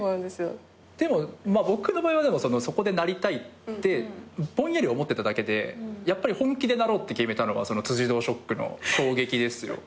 僕の場合はでもそこで「なりたい」ってぼんやり思ってただけでやっぱり本気でなろうって決めたのは辻堂ショックの衝撃ですよ。